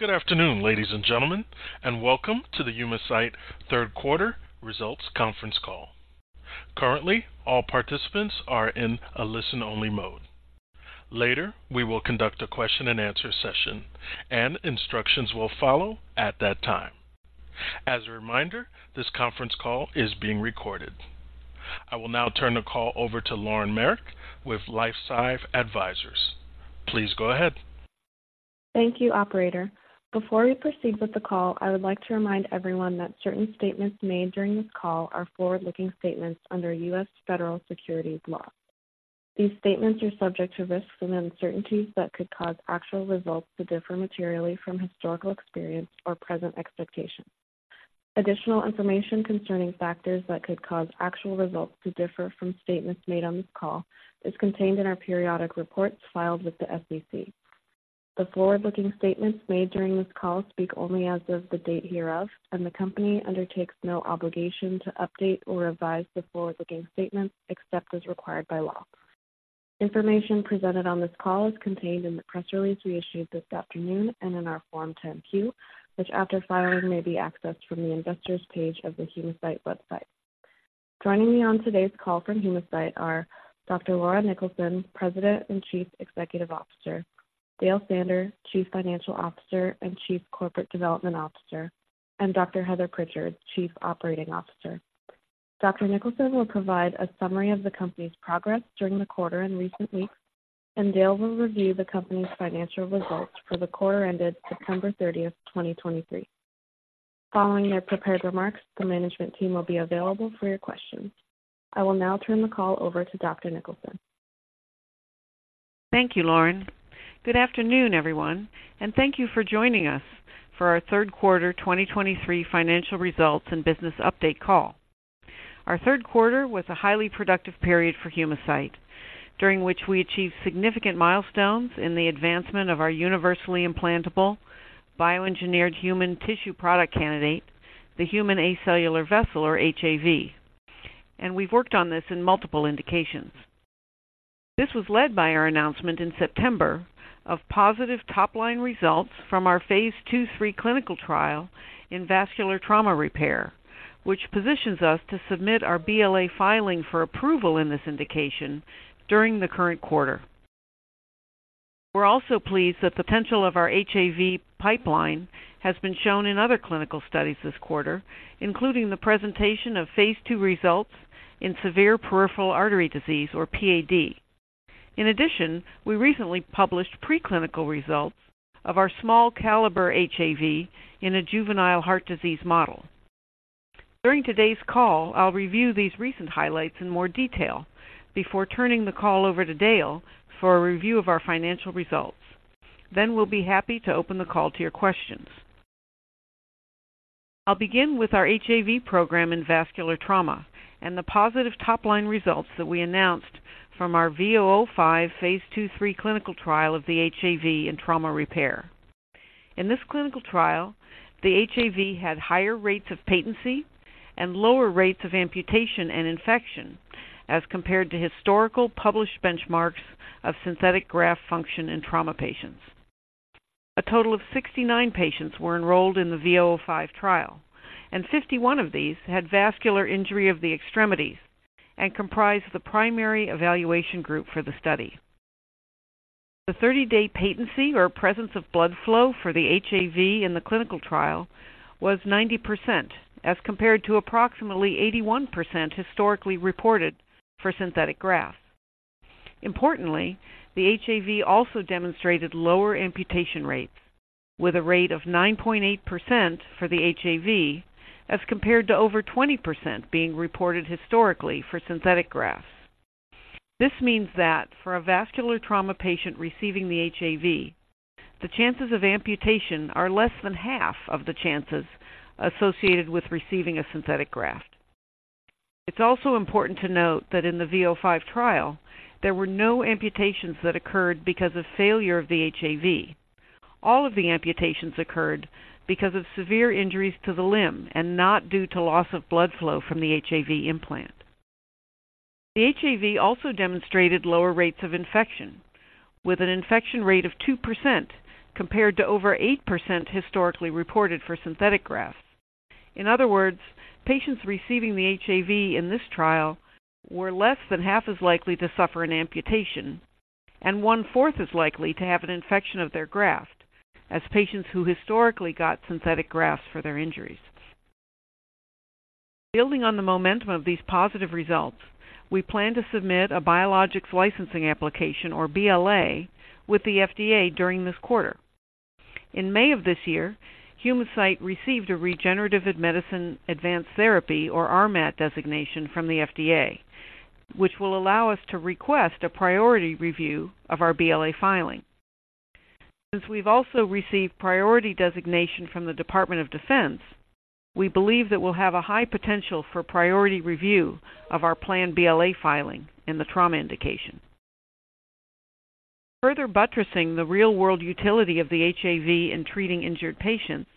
Good afternoon, ladies and gentlemen, and welcome to the Humacyte Third Quarter Results Conference Call. Currently, all participants are in a listen-only mode. Later, we will conduct a question-and-answer session, and instructions will follow at that time. As a reminder, this conference call is being recorded. I will now turn the call over to Lauren Merrick with LifeSci Advisors. Please go ahead. Thank you, Operator. Before we proceed with the call, I would like to remind everyone that certain statements made during this call are forward-looking statements under U.S. Federal Securities laws. These statements are subject to risks and uncertainties that could cause actual results to differ materially from historical experience or present expectations. Additional information concerning factors that could cause actual results to differ from statements made on this call is contained in our periodic reports filed with the SEC. The forward-looking statements made during this call speak only as of the date hereof, and the Company undertakes no obligation to update or revise the forward-looking statements except as required by law. Information presented on this call is contained in the press release we issued this afternoon and in our Form 10-Q, which, after filing, may be accessed from the Investors page of the Humacyte website. Joining me on today's call from Humacyte are Dr. Laura Niklason, President and Chief Executive Officer, Dale Sander, Chief Financial Officer and Chief Corporate Development Officer, and Dr. Heather Prichard, Chief Operating Officer. Dr. Niklason will provide a summary of the company's progress during the quarter and recent weeks, and Dale will review the company's financial results for the quarter ended September 30, 2023. Following their prepared remarks, the management team will be available for your questions. I will now turn the call over to Dr. Niklason. Thank you, Lauren. Good afternoon, everyone, and thank you for joining us for our third quarter 2023 financial results and business update call. Our third quarter was a highly productive period for Humacyte, during which we achieved significant milestones in the advancement of our universally implantable bioengineered human tissue product candidate, the Human Acellular Vessel, or HAV, and we've worked on this in multiple indications. This was led by our announcement in September of positive top-line results from our phase II/III clinical trial in vascular trauma repair, which positions us to submit our BLA filing for approval in this indication during the current quarter. We're also pleased the potential of our HAV pipeline has been shown in other clinical studies this quarter, including the presentation of phase II results in severe Peripheral Artery Disease or PAD. In addition, we recently published preclinical results of our small caliber HAV in a juvenile heart disease model. During today's call, I'll review these recent highlights in more detail before turning the call over to Dale for a review of our financial results. Then we'll be happy to open the call to your questions. I'll begin with our HAV program in vascular trauma and the positive top-line results that we announced from our V005 phase II/III clinical trial of the HAV in trauma repair. In this clinical trial, the HAV had higher rates of patency and lower rates of amputation and infection as compared to historical published benchmarks of synthetic graft function in trauma patients. A total of 69 patients were enrolled in the V005 trial, and 51 of these had vascular injury of the extremities and comprised the primary evaluation group for the study. The 30-day patency or presence of blood flow for the HAV in the clinical trial was 90%, as compared to approximately 81% historically reported for synthetic grafts. Importantly, the HAV also demonstrated lower amputation rates, with a rate of 9.8% for the HAV, as compared to over 20% being reported historically for synthetic grafts. This means that for a vascular trauma patient receiving the HAV, the chances of amputation are less than half of the chances associated with receiving a synthetic graft. It's also important to note that in the V005 trial, there were no amputations that occurred because of failure of the HAV. All of the amputations occurred because of severe injuries to the limb and not due to loss of blood flow from the HAV implant. The HAV also demonstrated lower rates of infection, with an infection rate of 2%, compared to over 8% historically reported for synthetic grafts. In other words, patients receiving the HAV in this trial were less than half as likely to suffer an amputation and one-fourth as likely to have an infection of their graft as patients who historically got synthetic grafts for their injuries. Building on the momentum of these positive results, we plan to submit a Biologics License Application, or BLA, with the FDA during this quarter. In May of this year, Humacyte received a Regenerative Medicine Advanced Therapy, or RMAT, designation from the FDA, which will allow us to request a priority review of our BLA filing. Since we've also received priority designation from the Department of Defense, we believe that we'll have a high potential for priority review of our planned BLA filing in the trauma indication. Further buttressing the real-world utility of the HAV in treating injured patients,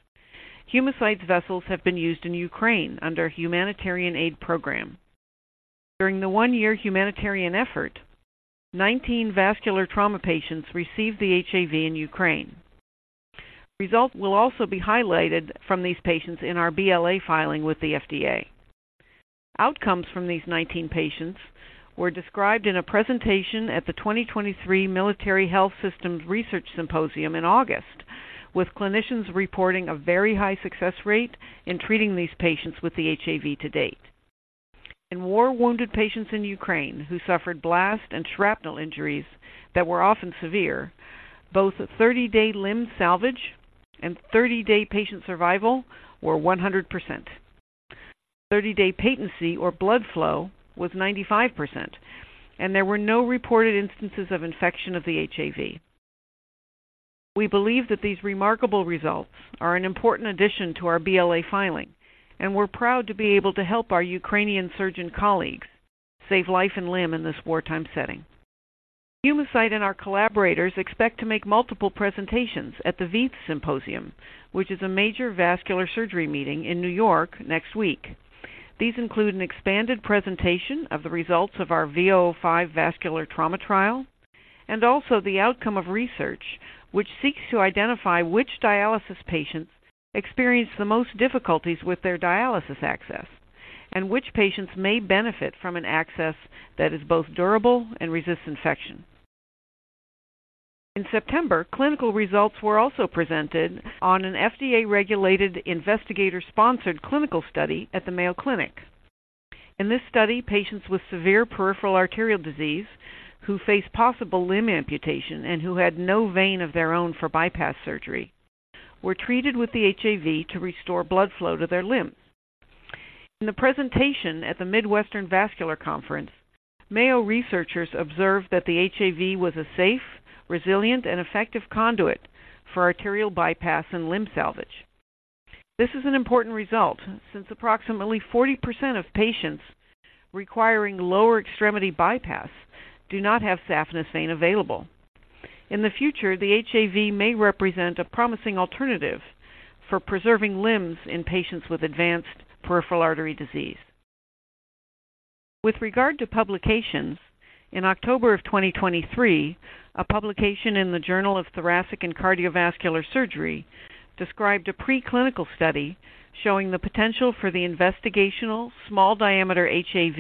Humacyte's vessels have been used in Ukraine under a humanitarian aid program. During the one-year humanitarian effort, 19 vascular trauma patients received the HAV in Ukraine. Results will also be highlighted from these patients in our BLA filing with the FDA. Outcomes from these 19 patients were described in a presentation at the 2023 Military Health Systems Research Symposium in August, with clinicians reporting a very high success rate in treating these patients with the HAV to date. In war, wounded patients in Ukraine who suffered blast and shrapnel injuries that were often severe, both a 30-day limb salvage and 30-day patient survival were 100%. 30-day patency or blood flow was 95%, and there were no reported instances of infection of the HAV. We believe that these remarkable results are an important addition to our BLA filing, and we're proud to be able to help our Ukrainian surgeon colleagues save life and limb in this wartime setting. Humacyte and our collaborators expect to make multiple presentations at the VEITHsymposium, which is a major vascular surgery meeting in New York next week. These include an expanded presentation of the results of our V005 vascular trauma trial, and also the outcome of research, which seeks to identify which dialysis patients experience the most difficulties with their dialysis access, and which patients may benefit from an access that is both durable and resist infection. In September, clinical results were also presented on an FDA-regulated, investigator-sponsored clinical study at the Mayo Clinic. In this study, patients with severe peripheral arterial disease, who face possible limb amputation and who had no vein of their own for bypass surgery, were treated with the HAV to restore blood flow to their limbs. In the presentation at the Midwestern Vascular Conference, Mayo researchers observed that the HAV was a safe, resilient, and effective conduit for arterial bypass and limb salvage. This is an important result since approximately 40% of patients requiring lower extremity bypass do not have Saphenous Vein available. In the future, the HAV may represent a promising alternative for preserving limbs in patients with advanced Peripheral Artery Disease. With regard to publications, in October of 2023, a publication in the Journal of Thoracic and Cardiovascular Surgery described a preclinical study showing the potential for the investigational small diameter HAV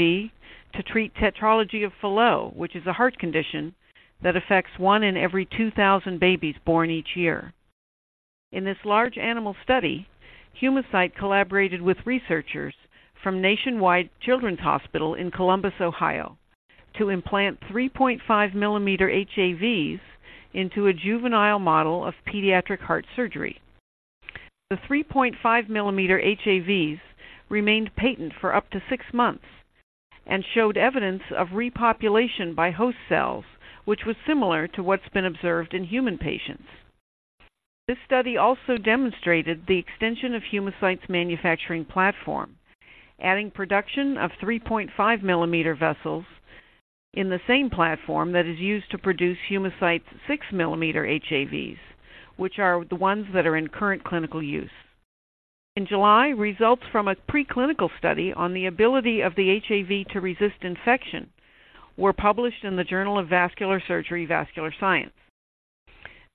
to treat Tetralogy of Fallot, which is a heart condition that affects one in every 2,000 babies born each year. In this large animal study, Humacyte collaborated with researchers from Nationwide Children's Hospital in Columbus, Ohio, to implant 3.5 millimeter HAVs into a juvenile model of pediatric heart surgery. The 3.5-millimeter HAVs remained patent for up to six months and showed evidence of repopulation by host cells, which was similar to what's been observed in human patients. This study also demonstrated the extension of Humacyte's manufacturing platform, adding production of 3.5-millimeter vessels in the same platform that is used to produce Humacyte's 6-millimeter HAVs, which are the ones that are in current clinical use. In July, results from a preclinical study on the ability of the HAV to resist infection were published in the Journal of Vascular Surgery, Vascular Science.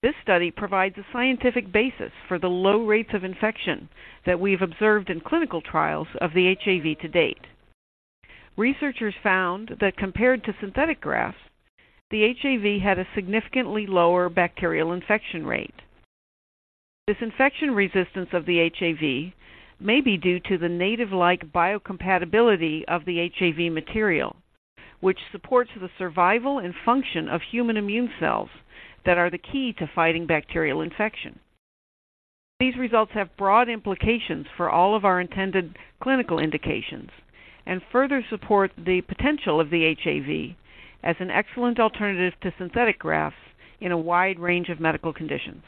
This study provides a scientific basis for the low rates of infection that we've observed in clinical trials of the HAV to date. Researchers found that compared to synthetic grafts, the HAV had a significantly lower bacterial infection rate. This infection resistance of the HAV may be due to the native-like biocompatibility of the HAV material, which supports the survival and function of human immune cells that are the key to fighting bacterial infection. These results have broad implications for all of our intended clinical indications and further support the potential of the HAV as an excellent alternative to synthetic grafts in a wide range of medical conditions.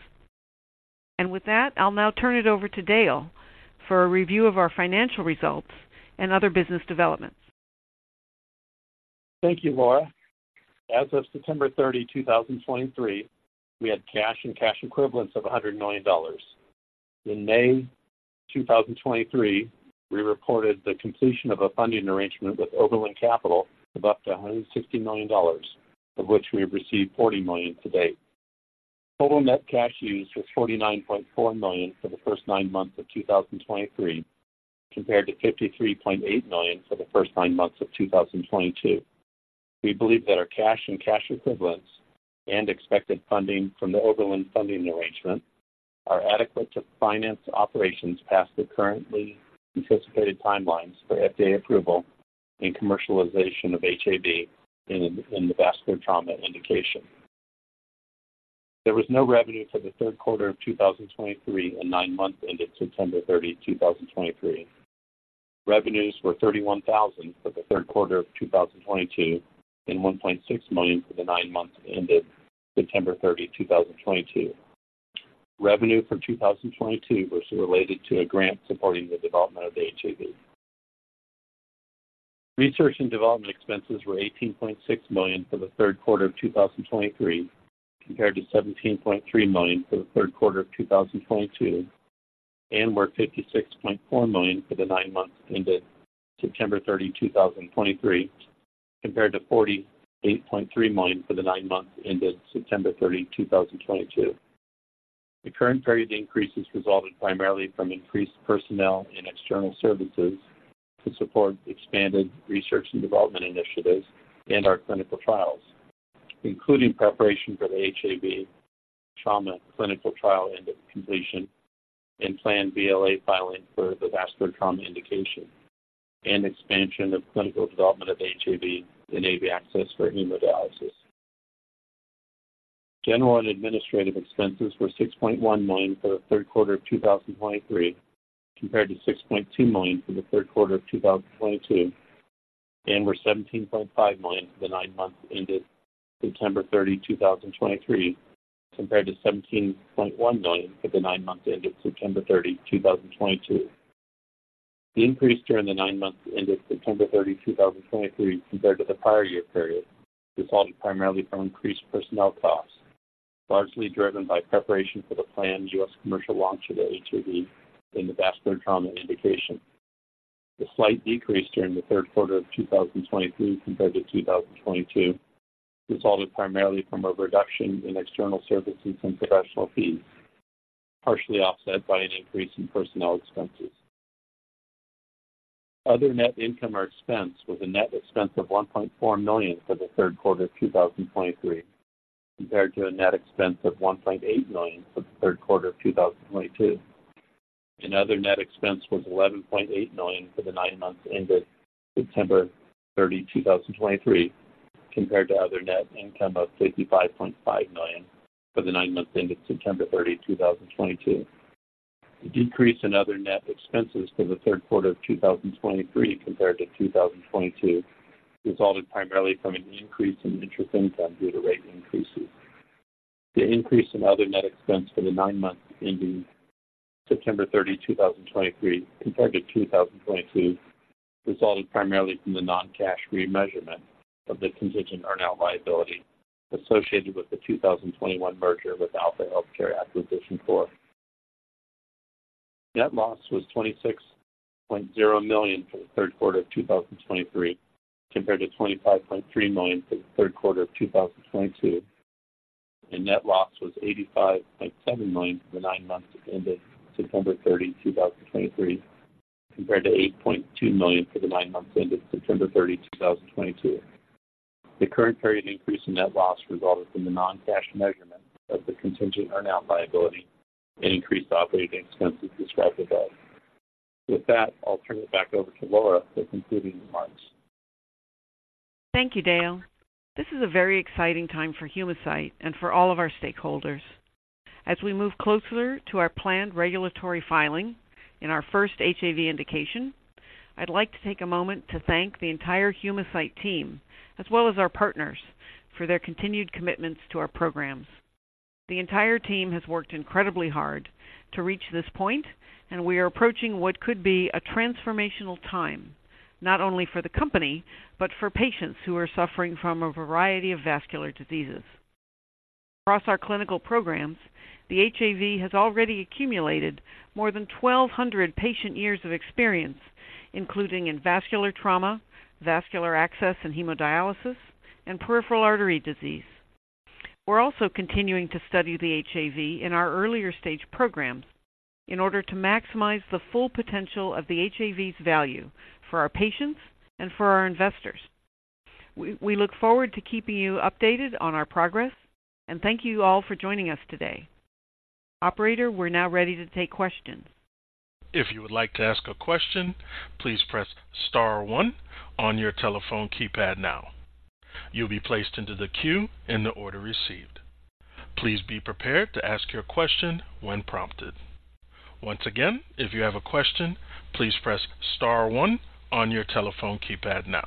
With that, I'll now turn it over to Dale for a review of our financial results and other business developments. Thank you, Laura. As of September 30, 2023, we had cash and cash equivalents of $100 million. In May 2023, we reported the completion of a funding arrangement with Oberland Capital of up to $160 million, of which we have received $40 million to date. Total net cash used was $49.4 million for the first nine-months of 2023, compared to $53.8 million for the first nine-months of 2022. We believe that our cash and cash equivalents and expected funding from the Overland funding arrangement are adequate to finance operations past the currently anticipated timelines for FDA approval and commercialization of HAV in the vascular trauma indication. There was no revenue for the third quarter of 2023 and nine-months ended September 30, 2023. Revenues were $31,000 for the third quarter of 2022, and $1.6 million for the nine-months ended September 30, 2022. Revenue for 2022 was related to a grant supporting the development of the HAV. Research and development expenses were $18.6 million for the third quarter of 2023, compared to $17.3 million for the third quarter of 2022.... and were $56.4 million for the nine-months ended September 30, 2023, compared to $48.3 million for the nine-months ended September 30, 2022. The current period increase is resulted primarily from increased personnel and external services to support expanded research and development initiatives and our clinical trials, including preparation for the HAV trauma clinical trial and completion and planned BLA filing for the vascular trauma indication and expansion of clinical development of HAV in AV access for hemodialysis. General and administrative expenses were $6.1 million for the third quarter of 2023, compared to $6.2 million for the third quarter of 2022, and were $17.5 million for the nine-months ended September 30, 2023, compared to $17.1 million for the nine-months ended September 30, 2022. The increase during the nine-months ended September 30, 2023, compared to the prior year period, resulted primarily from increased personnel costs, largely driven by preparation for the planned U.S. commercial launch of the HAV in the vascular trauma indication. The slight decrease during the third quarter of 2023 compared to 2022 resulted primarily from a reduction in external services and professional fees, partially offset by an increase in personnel expenses. Other net income or expense was a net expense of $1.4 million for the third quarter of 2023, compared to a net expense of $1.8 million for the third quarter of 2022. Other net expense was $11.8 million for the nine-months ended September 30, 2023, compared to other net income of $55.5 million for the nine-months ended September 30, 2022. The decrease in other net expenses for the third quarter of 2023 compared to 2022 resulted primarily from an increase in interest income due to rate increases. The increase in other net expense for the nine-months ending September 30, 2023, compared to 2022, resulted primarily from the non-cash remeasurement of the contingent earnout liability associated with the 2021 merger with Alpha Healthcare Acquisition Corp. Net loss was $26.0 million for the third quarter of 2023, compared to $25.3 million for the third quarter of 2022. Net loss was $85.7 million for the nine-months ended September 30, 2023, compared to $8.2 million for the nine-months ended September 30, 2022. The current period increase in net loss resulted from the non-cash measurement of the contingent earnout liability and increased operating expenses described above. With that, I'll turn it back over to Laura for concluding remarks. Thank you, Dale. This is a very exciting time for Humacyte and for all of our stakeholders. As we move closer to our planned regulatory filing in our first HAV indication, I'd like to take a moment to thank the entire Humacyte team, as well as our partners, for their continued commitments to our programs. The entire team has worked incredibly hard to reach this point, and we are approaching what could be a transformational time, not only for the company, but for patients who are suffering from a variety of vascular diseases. Across our clinical programs, the HAV has already accumulated more than 1,200 patient-years of experience, including in vascular trauma, vascular access and hemodialysis, and Peripheral Artery Disease. We're also continuing to study the HAV in our earlier stage programs in order to maximize the full potential of the HAV's value for our patients and for our investors. We look forward to keeping you updated on our progress and thank you all for joining us today. Operator, we're now ready to take questions. If you would like to ask a question, please press star one on your telephone keypad now. You'll be placed into the queue in the order received. Please be prepared to ask your question when prompted. Once again, if you have a question, please press star one on your telephone keypad now.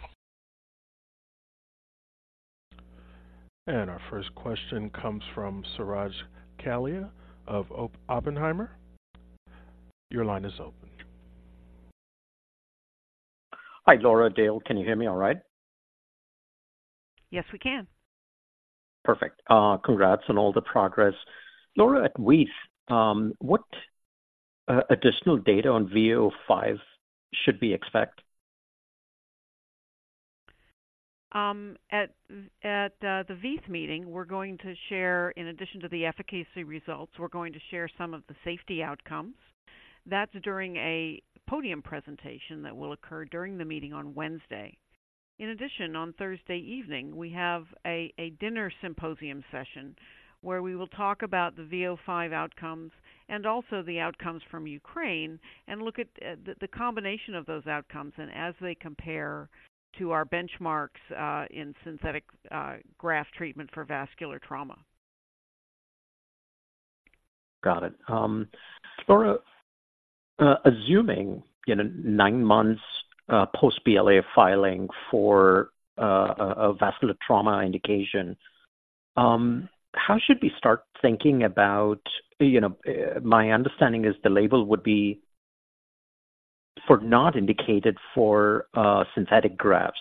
And our first question comes from Suraj Kalia of Oppenheimer. Your line is open. Hi, Laura, Dale, can you hear me all right? Yes, we can. Perfect. Congrats on all the progress. Laura, at VEITH, what additional data on V005 should we expect? At the VEITHsymposium, we're going to share, in addition to the efficacy results, we're going to share some of the safety outcomes. That's during a podium presentation that will occur during the meeting on Wednesday. In addition, on Thursday evening, we have a dinner symposium session where we will talk about the V005 outcomes and also the outcomes from Ukraine and look at the combination of those outcomes and as they compare to our benchmarks in synthetic graft treatment for vascular trauma. Got it. Laura, assuming, you know, nine-months post-BLA filing for a vascular trauma indication, how should we start thinking about... You know, my understanding is the label would be for, not indicated for synthetic grafts.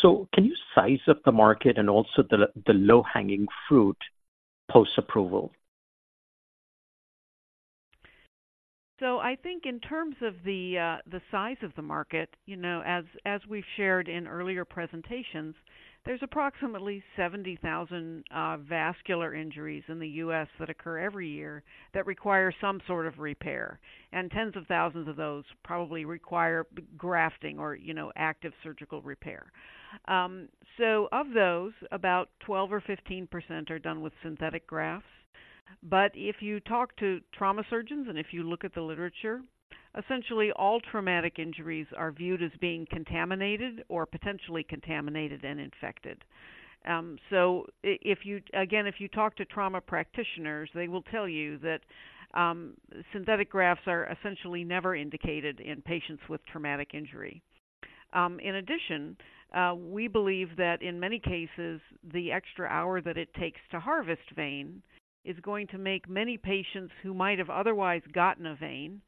So can you size up the market and also the low-hanging fruit post-approval? So I think in terms of the size of the market, you know, as we've shared in earlier presentations, there's approximately 70,000 vascular injuries in the U.S. that occur every year that require some sort of repair, and tens of thousands of those probably require grafting or, you know, active surgical repair. So of those, about 12% or 15% are done with synthetic grafts. But if you talk to trauma surgeons and if you look at the literature, essentially all traumatic injuries are viewed as being contaminated or potentially contaminated and infected. So if you again, if you talk to trauma practitioners, they will tell you that synthetic grafts are essentially never indicated in patients with traumatic injury. In addition, we believe that in many cases, the extra hour that it takes to harvest vein is going to make many patients who might have otherwise gotten a vein,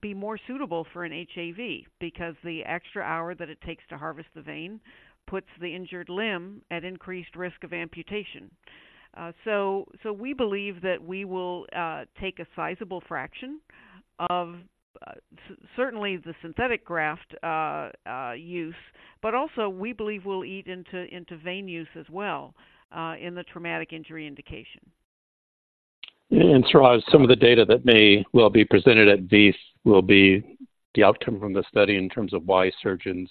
be more suitable for an HAV, because the extra hour that it takes to harvest the vein puts the injured limb at increased risk of amputation. So, we believe that we will take a sizable fraction of, certainly the synthetic graft, use, but also we believe we'll eat into vein use as well, in the traumatic injury indication. Suraj, some of the data that may well be presented at these will be the outcome from the study in terms of why surgeons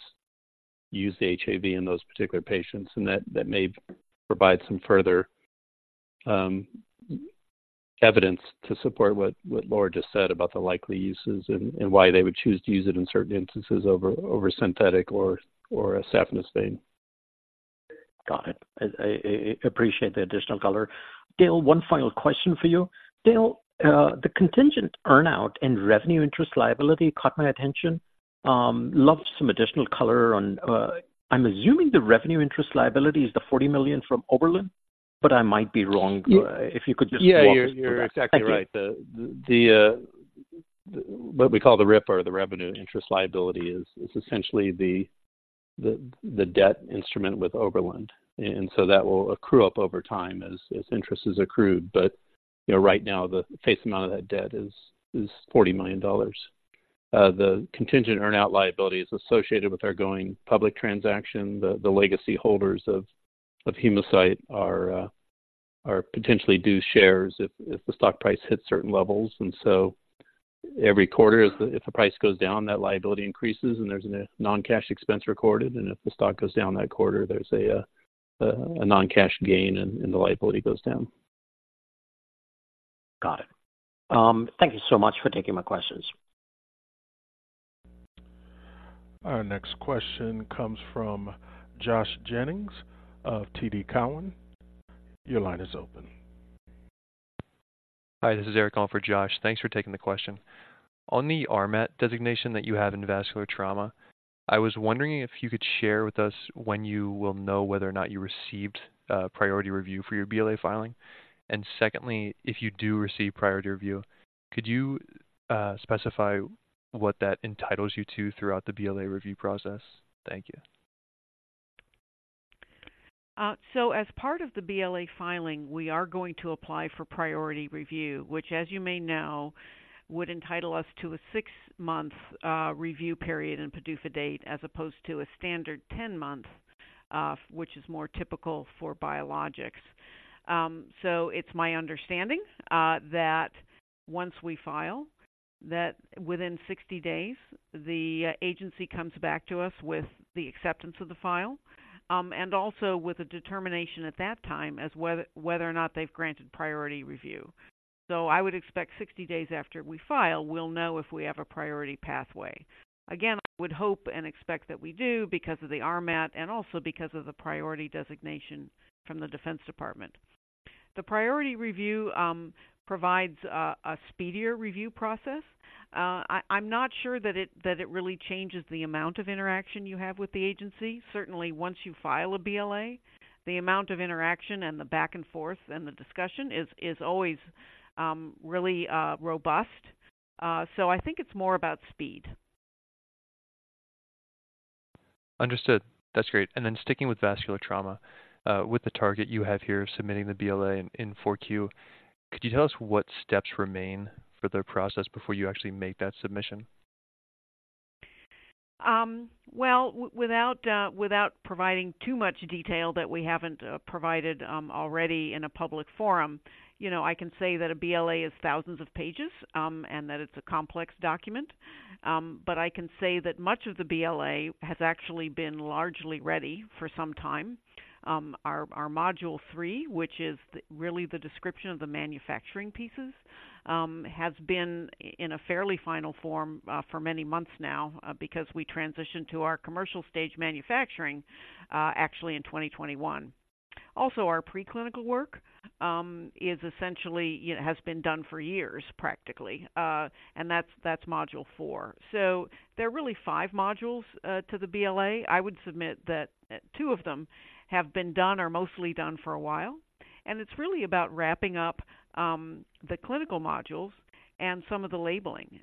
use the HAV in those particular patients, and that may provide some further evidence to support what Laura just said about the likely uses and why they would choose to use it in certain instances over synthetic or a saphenous vein. Got it. I appreciate the additional color. Dale, one final question for you. Dale, the contingent earn-out and revenue interest liability caught my attention. Love some additional color on, I'm assuming the revenue interest liability is the $40 million from Overland, but I might be wrong. Yeah- If you could just walk us through that. Yeah, you're exactly right. Thank you. What we call the RIP, or the revenue interest liability, is essentially the debt instrument with Overland, and so that will accrue up over time as interest is accrued. But, you know, right now, the face amount of that debt is $40 million. The contingent earn-out liability is associated with our going public transaction. The legacy holders of Humacyte are potentially due shares if the stock price hits certain levels. And so every quarter, if the price goes down, that liability increases, and there's a non-cash expense recorded, and if the stock goes down that quarter, there's a non-cash gain and the liability goes down. Got it. Thank you so much for taking my questions. Our next question comes from Josh Jennings of TD Cowen. Your line is open. Hi, this is Eric, calling for Josh. Thanks for taking the question. On the RMAT designation that you have in vascular trauma, I was wondering if you could share with us when you will know whether or not you received a priority review for your BLA filing. And secondly, if you do receive priority review, could you specify what that entitles you to throughout the BLA review process? Thank you. So as part of the BLA filing, we are going to apply for priority review, which, as you may know, would entitle us to a six-month review period and PDUFA date, as opposed to a standard 10-month, which is more typical for biologics. So it's my understanding that once we file, that within 60 days, the agency comes back to us with the acceptance of the file, and also with a determination at that time as whether or not they've granted priority review. So I would expect 60 days after we file, we'll know if we have a priority pathway. Again, I would hope and expect that we do because of the RMAT and also because of the priority designation from the Defense Department. The priority review provides a speedier review process. I'm not sure that it really changes the amount of interaction you have with the agency. Certainly, once you file a BLA, the amount of interaction and the back and forth and the discussion is always really robust. So I think it's more about speed. Understood. That's great. And then sticking with vascular trauma, with the target you have here, submitting the BLA in Q4, could you tell us what steps remain for the process before you actually make that submission? Well, without providing too much detail that we haven't provided already in a public forum, you know, I can say that a BLA is thousands of pages, and that it's a complex document. But I can say that much of the BLA has actually been largely ready for some time. Our module 3, which is really the description of the manufacturing pieces, has been in a fairly final form for many months now, because we transitioned to our commercial stage manufacturing actually in 2021. Also, our preclinical work is essentially, you know, has been done for years, practically, and that's module 4. So there are really five modules to the BLA. I would submit that two of them have been done or mostly done for a while... It's really about wrapping up the clinical modules and some of the labeling.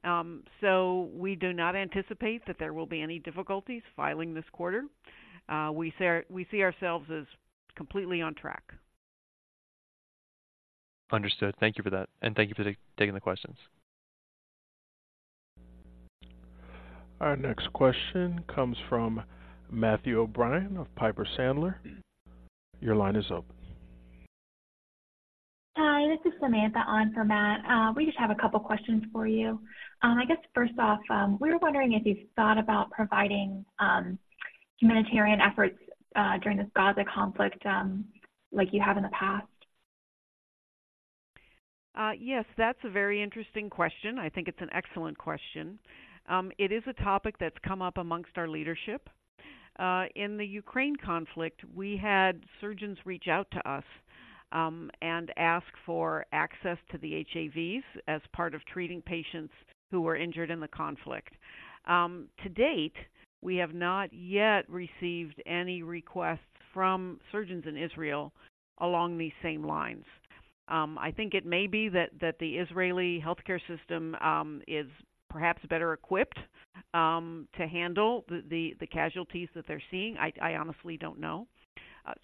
So we do not anticipate that there will be any difficulties filing this quarter. We see ourselves as completely on track. Understood. Thank you for that, and thank you for taking the questions. Our next question comes from Matthew O'Brien of Piper Sandler. Your line is open. Hi, this is Samantha on for Matt. We just have a couple questions for you. I guess first off, we were wondering if you've thought about providing humanitarian efforts during this Gaza conflict like you have in the past? Yes, that's a very interesting question. I think it's an excellent question. It is a topic that's come up amongst our leadership. In the Ukraine conflict, we had surgeons reach out to us, and ask for access to the HAVs as part of treating patients who were injured in the conflict. To date, we have not yet received any requests from surgeons in Israel along these same lines. I think it may be that the Israeli healthcare system is perhaps better equipped to handle the casualties that they're seeing. I honestly don't know.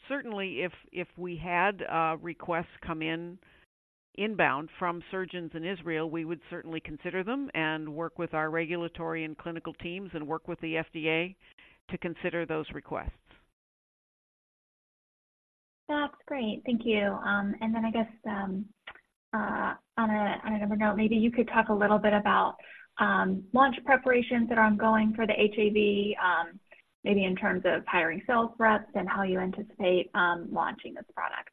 Certainly, if we had requests come in inbound from surgeons in Israel, we would certainly consider them and work with our regulatory and clinical teams and work with the FDA to consider those requests. That's great. Thank you. And then I guess, on another note, maybe you could talk a little bit about, launch preparations that are ongoing for the HAV, maybe in terms of hiring sales reps and how you anticipate, launching this product.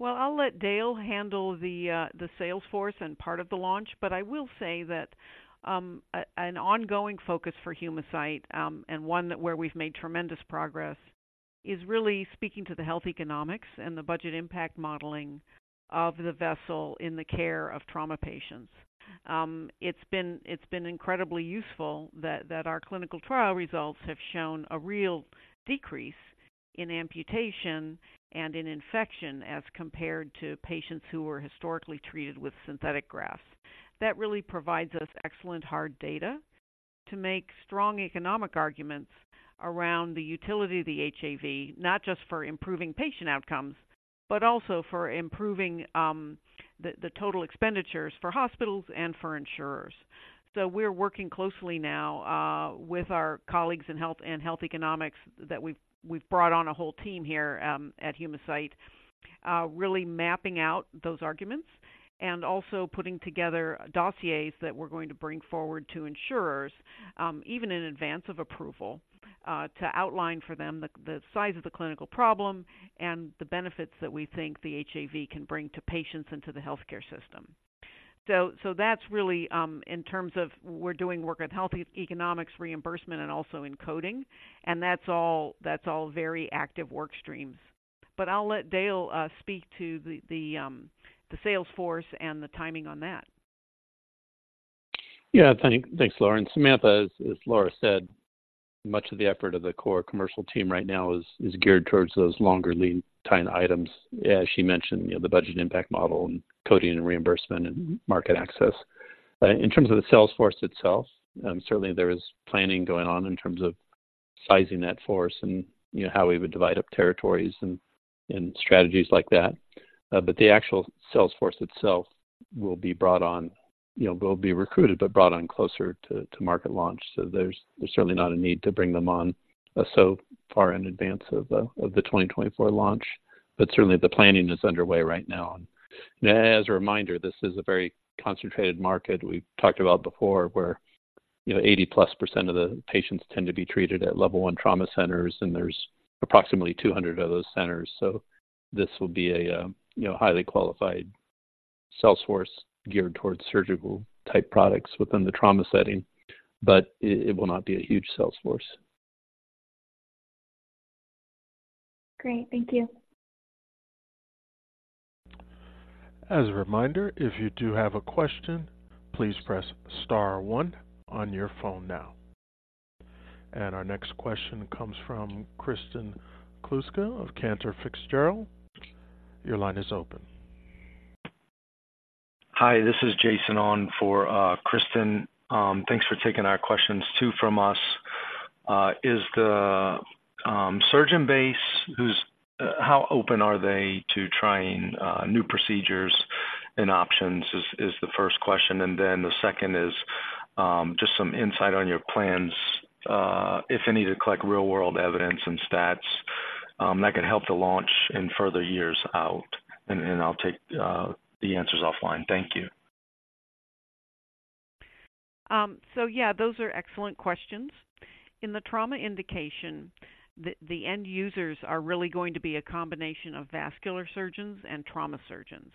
Well, I'll let Dale handle the sales force and part of the launch, but I will say that an ongoing focus for Humacyte and one where we've made tremendous progress is really speaking to the health economics and the budget impact modeling of the vessel in the care of trauma patients. It's been incredibly useful that our clinical trial results have shown a real decrease in amputation and in infection as compared to patients who were historically treated with synthetic grafts. That really provides us excellent hard data to make strong economic arguments around the utility of the HAV, not just for improving patient outcomes, but also for improving the total expenditures for hospitals and for insurers. So we're working closely now with our colleagues in health and health economics that we've brought on a whole team here at Humacyte really mapping out those arguments and also putting together dossiers that we're going to bring forward to insurers even in advance of approval to outline for them the size of the clinical problem and the benefits that we think the HAV can bring to patients and to the healthcare system. So that's really in terms of we're doing work on health economics, reimbursement, and also in coding, and that's all very active work streams. But I'll let Dale speak to the sales force and the timing on that. Yeah, thanks, Laura. And Samantha, as Laura said, much of the effort of the core commercial team right now is geared towards those longer lead time items, as she mentioned, you know, the budget impact model and coding and reimbursement and market access. In terms of the sales force itself, certainly there is planning going on in terms of sizing that force and, you know, how we would divide up territories and strategies like that. But the actual sales force itself will be brought on, you know, will be recruited, but brought on closer to market launch. So there's certainly not a need to bring them on so far in advance of the 2024 launch, but certainly the planning is underway right now. And as a reminder, this is a very concentrated market. We've talked about before, where, you know, 80%+ of the patients tend to be treated at level one trauma centers, and there's approximately 200 of those centers. So this will be a, you know, highly qualified sales force geared towards surgical-type products within the trauma setting, but it will not be a huge sales force. Great. Thank you. As a reminder, if you do have a question, please press star one on your phone now. Our next question comes from Kristen Kluska of Cantor Fitzgerald. Your line is open. Hi, this is Jason on for Kristen. Thanks for taking our questions, too, from us. Is the surgeon base how open are they to trying new procedures and options? Is the first question, and then the second is just some insight on your plans, if any, to collect real-world evidence and stats that could help the launch in further years out. I'll take the answers offline. Thank you. So yeah, those are excellent questions. In the trauma indication, the end users are really going to be a combination of vascular surgeons and trauma surgeons.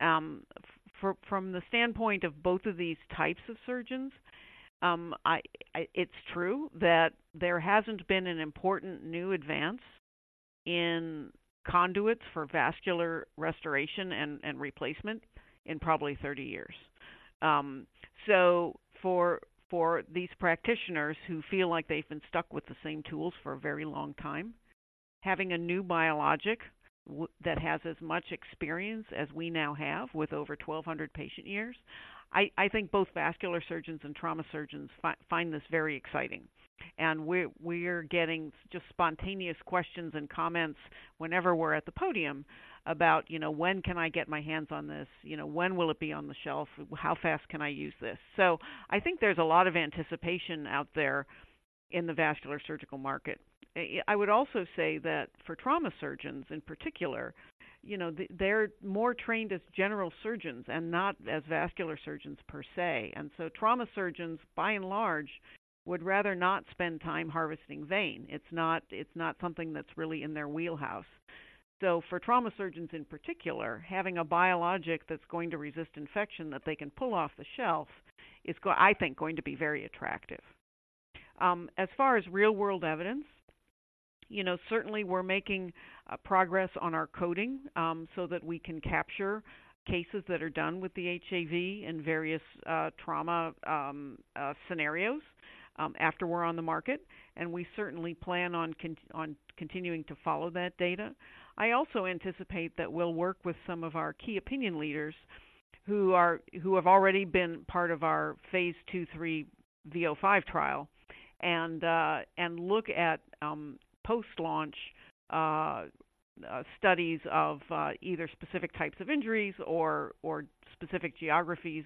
From the standpoint of both of these types of surgeons, it's true that there hasn't been an important new advance in conduits for vascular restoration and replacement in probably 30 years. So for these practitioners who feel like they've been stuck with the same tools for a very long time, having a new biologic that has as much experience as we now have with over 1,200 patient years, I think both vascular surgeons and trauma surgeons find this very exciting. And we're getting just spontaneous questions and comments whenever we're at the podium about, you know, when can I get my hands on this? You know, when will it be on the shelf? How fast can I use this? So I think there's a lot of anticipation out there in the vascular surgical market. I would also say that for trauma surgeons in particular, you know, they're more trained as general surgeons and not as vascular surgeons per se. And so trauma surgeons, by and large, would rather not spend time harvesting vein. It's not, it's not something that's really in their wheelhouse. So for trauma surgeons in particular, having a biologic that's going to resist infection that they can pull off the shelf, is, I think, going to be very attractive. As far as real-world evidence, you know, certainly we're making progress on our coding, so that we can capture cases that are done with the HAV in various trauma scenarios after we're on the market. We certainly plan on continuing to follow that data. I also anticipate that we'll work with some of our key opinion leaders who have already been part of our phase II/III V005 trial, and look at post-launch studies of either specific types of injuries or specific geographies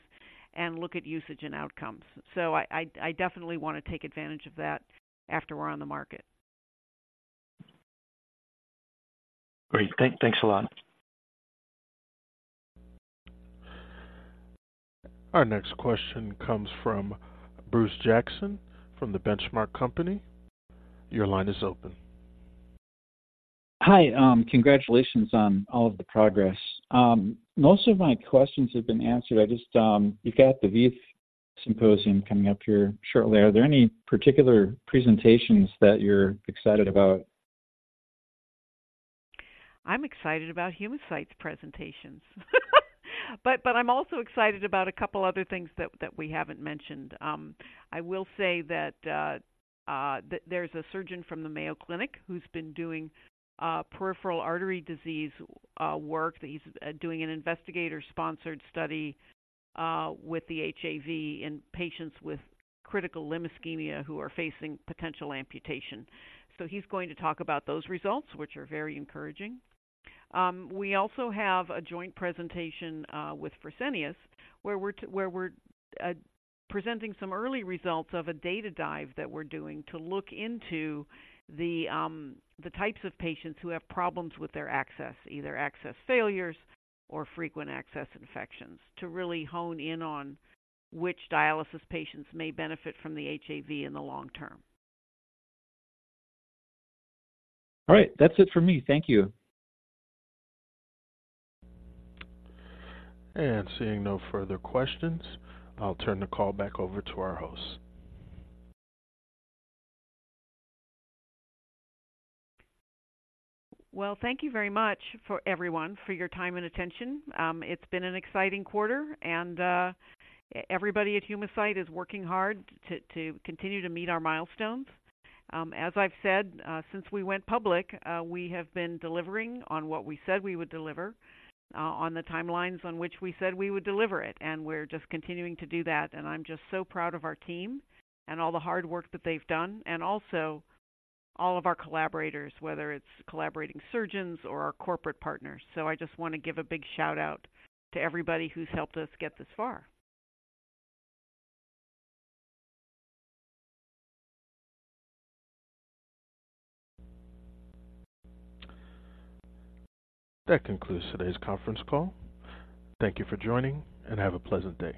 and look at usage and outcomes. I definitely want to take advantage of that after we're on the market. Great. Thanks a lot. Our next question comes from Bruce Jackson from the Benchmark Company. Your line is open. Hi, congratulations on all of the progress. Most of my questions have been answered. I just, you've got the VEITHsymposium coming up here shortly. Are there any particular presentations that you're excited about? I'm excited about Humacyte's presentations. I'm also excited about a couple other things that we haven't mentioned. I will say that there's a surgeon from the Mayo Clinic who's been doing Peripheral Artery Disease work, that he's doing an investigator-sponsored study with the HAV in patients with critical limb ischemia who are facing potential amputation. So he's going to talk about those results, which are very encouraging. We also have a joint presentation with Fresenius, where we're presenting some early results of a data dive that we're doing to look into the types of patients who have problems with their access, either access failures or frequent access infections, to really hone in on which dialysis patients may benefit from the HAV in the long term. All right. That's it for me. Thank you. Seeing no further questions, I'll turn the call back over to our host. Well, thank you very much for everyone, for your time and attention. It's been an exciting quarter, and everybody at Humacyte is working hard to continue to meet our milestones. As I've said, since we went public, we have been delivering on what we said we would deliver, on the timelines on which we said we would deliver it. We're just continuing to do that, and I'm just so proud of our team and all the hard work that they've done, and also all of our collaborators, whether it's collaborating surgeons or our corporate partners. I just want to give a big shout-out to everybody who's helped us get this far. That concludes today's conference call. Thank you for joining, and have a pleasant day.